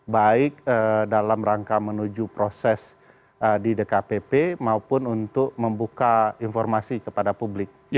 baik dalam rangka menuju proses di dkpp maupun untuk membuka informasi kepada publik